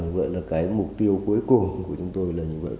và mục tiêu cuối cùng của chúng tôi là